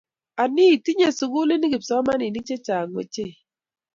anii tinye sukulini kipsomaninin chechang wechei